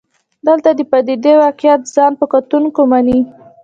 دلته د پدیدې واقعیت ځان په کتونکو مني.